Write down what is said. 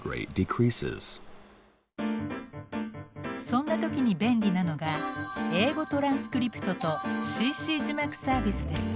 そんな時に便利なのが「英語トランスクリプト」と「ＣＣ字幕」サービスです。